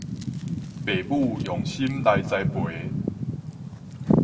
父母用心來栽培